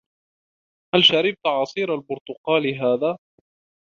هل شربت عصير البرتقال هذا؟